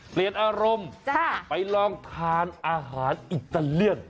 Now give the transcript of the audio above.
เปลี่ยนอารมณ์ไปลองทานอาหารอิตาเลียน